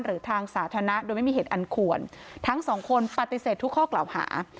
หรือทางสาธารณะโดยไม่มีเหตุอันควรทั้งสองคนปฏิเสธทุกข้อกล่าวหา